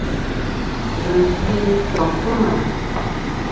Zɨ gvi toŋtɨ ma.